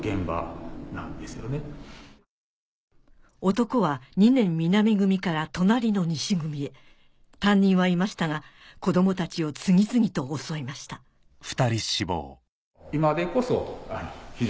男は２年南組から隣の西組へ担任はいましたが子どもたちを次々と襲いましたその先生は。